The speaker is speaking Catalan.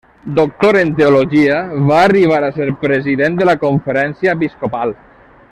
Doctor en Teologia, va arribar a ser president de la conferència episcopal.